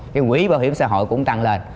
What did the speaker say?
cái quý bảo hiểm xã hội cũng tăng lên